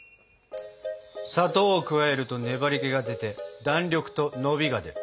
砂糖を加えると粘りけが出て弾力と伸びが出る。